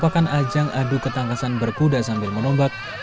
kuda sambil menombak